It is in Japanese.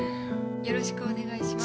よろしくお願いします。